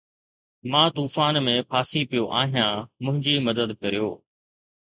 مان طوفان ۾ ڦاسي پيو آهيان منهنجي مدد ڪريو